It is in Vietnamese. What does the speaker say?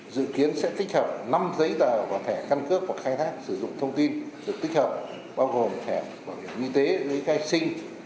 và khai thác sử dụng thông tin được tích hợp bao gồm thẻ bảo hiểm y tế giấy khai sinh